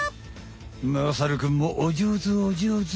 まさるくんもおじょうずおじょうず。